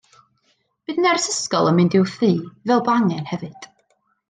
Bydd nyrs ysgol yn mynd i'w thŷ, fel bo angen hefyd